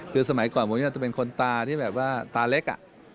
คือสมัยก่อนผมก็จะเป็นคนตาที่แบบว่าตาเล็ก